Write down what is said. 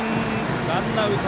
ワンアウト。